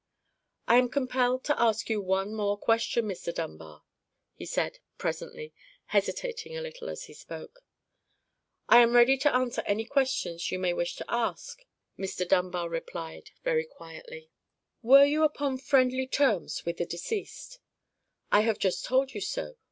"I am compelled to ask you one more question, Mr. Dunbar," he said, presently, hesitating a little as he spoke. "I am ready to answer any questions you may wish to ask," Mr. Dunbar replied, very quietly. "Were you upon friendly terms with the deceased?" "I have just told you so.